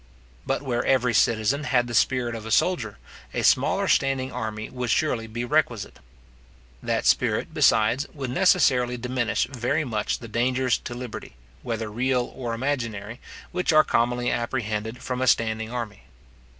But where every citizen had the spirit of a soldier, a smaller standing army would surely be requisite. That spirit, besides, would necessarily diminish very much the dangers to liberty, whether real or imaginary, which are commonly apprehended from a standing army.